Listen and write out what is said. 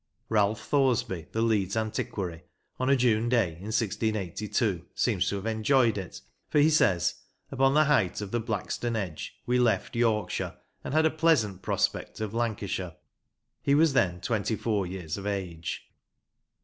Ralph Thoresby, the Leeds antiquary, on a June day in 1682 seems to have enjoyed it, for he says, " Upon the height of the Blackstone Edge we left Yorkshire, and had a pleasant prospect of Lancashire." He was then twenty four years of age.